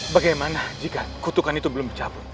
bagaimana jika kutukan itu belum dicabut